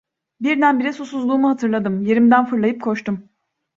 Birdenbire susuzluğumu hatırladım, yerimden fırlayıp koştum.